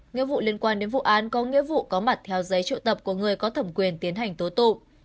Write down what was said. nghĩa vụ liên quan đến vụ án có nghĩa vụ có mặt theo giấy trự tập của người có thẩm quyền tiến hành tố tụ